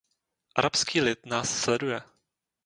Arabský lid nás sleduje.